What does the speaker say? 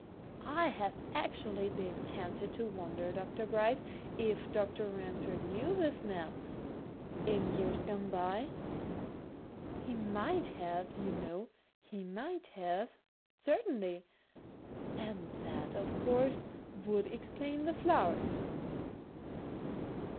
I have actually been tempted to wonder, Dr. Bryce, if Dr. Ransford knew this man in years gone by? He might have, you know, he might have certainly! And that, of course, would explain the flowers."